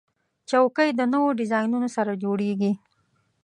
چوکۍ د نوو ډیزاینونو سره جوړیږي.